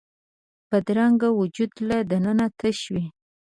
بدرنګه وجود له دننه تش وي